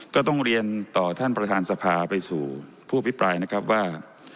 ก็ต้องเรียนต่อท่านประธานสภาไปสู่ผู้อภิปรายนะครับว่า